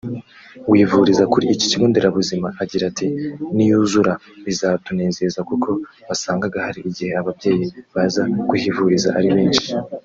wivuriza kuri iki kigo nderabuzima agira ati "Niyuzura bizatunezeza kuko wasangaga hari igihe ababyeyi baza kuhivuriza ari benshi